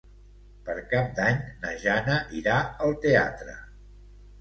Per Cap d'Any na Jana irà al teatre.